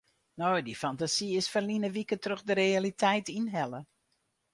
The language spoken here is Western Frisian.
No, dy fantasy is ferline wike troch de realiteit ynhelle.